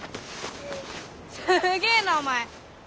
すげーなお前！